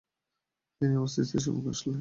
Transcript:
তিনি এ অবস্থায় স্ত্রীর সম্মুখে আসলেন।